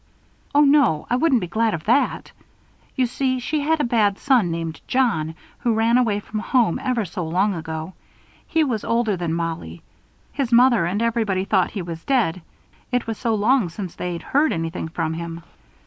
"Oh, no! I wouldn't be glad of that. You see, she had a bad son named John, who ran away from home ever so long ago. He was older than Mollie. His mother and everybody thought he was dead it was so long since they'd heard anything from him.